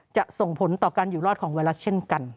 ส่งผลต่อการอยู่รอดของไวรัสเช่นกัน